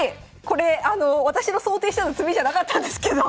これあの私の想定してた詰みじゃなかったんですけど。